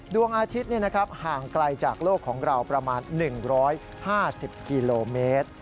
ดวงอาทิตย์ห่างไกลจากโลกของเราประมาณ๑๕๐กิโลเมตร